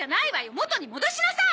元に戻しなさい！